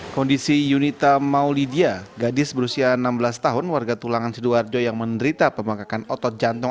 kondisi yunita maulidia gadis berusia enam belas tahun warga tulangan sidoarjo yang menderita pemangkakan otot jantung